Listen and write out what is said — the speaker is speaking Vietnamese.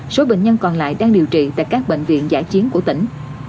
số bệnh nhân còn lại đang điều trị tại các bệnh viện giải chiến của tỉnh